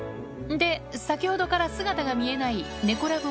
で、先ほどから姿が見えない猫ＬＯＶＥ